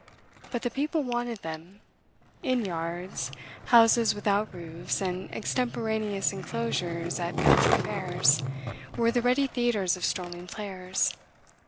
But the people wanted them. Inn yards, houses without roofs, and extemporaneous enclosures at country fairs, were the ready theatres of strolling players.